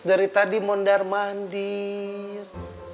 dari tadi mondar mandir